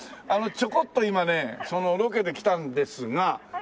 あのちょこっと今ねロケで来たんですが。